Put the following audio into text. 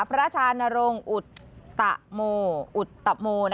ประชานรงค์อุทธโม